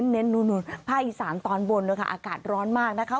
เน้นนู่นภาคอีสานตอนบนนะคะอากาศร้อนมากนะคะ